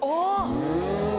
うん。